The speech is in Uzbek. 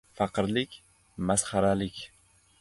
• Faqirlik — masxaralik.